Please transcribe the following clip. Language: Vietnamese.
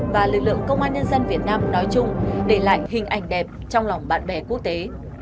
và lực lượng công an nhân dân việt nam nói chung để lại hình ảnh đẹp trong lòng bạn bè quốc tế